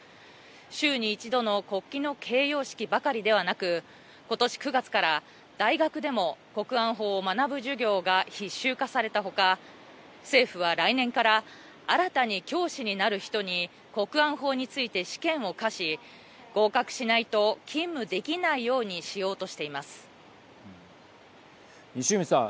週に一度の国旗の掲揚式ばかりではなく今年９月から大学でも国安法を学ぶ授業が必修化された他、政府は来年から新たに教師になる人に国安法について試験を課し合格しないと勤務できないようにしよう西海さん。